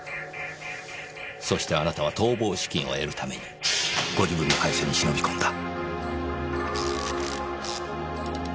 そしてあなたは逃亡資金を得るためにご自分の会社に忍び込んだ。